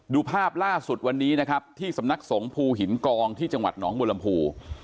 ดูภาพล่าสุดวันนี้นะครับที่สำนักสงภูหินกองที่จังหวัดหนองบัวลำพู